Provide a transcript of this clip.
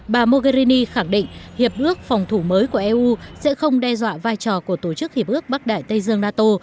bà mogherini khẳng định hiệp ước phòng thủ mới của eu sẽ không đe dọa vai trò của tổ chức hiệp ước bắc đại tây dương nato